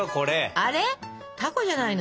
あれたこじゃないの？